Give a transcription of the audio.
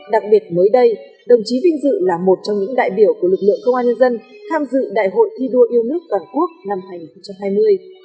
đặc biệt mới đây đồng chí vinh dự là một trong những đại biểu của lực lượng công an nhân dân tham dự đại hội thi đua yêu nước toàn quốc năm hai nghìn hai mươi